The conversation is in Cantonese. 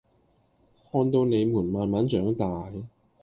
看到你們慢慢長大